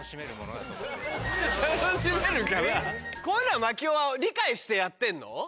こういうのは槙尾は理解してやってんの？